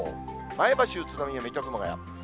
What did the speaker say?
前橋、宇都宮、水戸、熊谷。